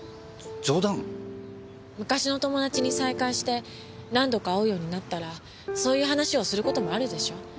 昔の友達に再会して何度か会うようになったらそういう話をする事もあるでしょ。